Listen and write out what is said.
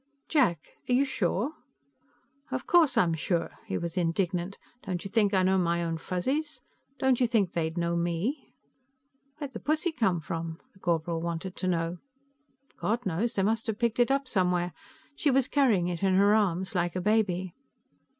"Jack, are you sure?" "Of course I'm sure!" He was indignant. "Don't you think I know my own Fuzzies? Don't you think they'd know me?" "Where'd the pussy come from?" the corporal wanted to know. "God knows. They must have picked it up somewhere. She was carrying it in her arms, like a baby."